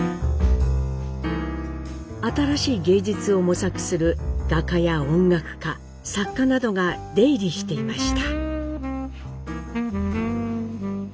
新しい芸術を模索する画家や音楽家作家などが出入りしていました。